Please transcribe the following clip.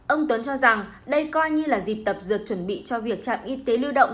ông tuấn cho rằng đây coi như là dịp tập dượt chuẩn bị cho việc trạm y tế lưu động